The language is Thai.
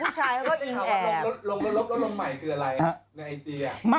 หลบค่ะลบลงใหม่คืออะไร